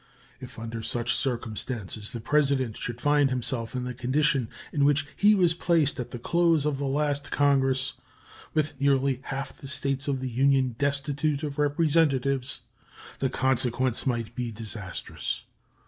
If under such circumstances the President should find himself in the condition in which he was placed at the close of the last Congress, with nearly half the States of the Union destitute of representatives, the consequences might he disastrous.